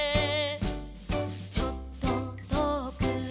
「ちょっととおくへ」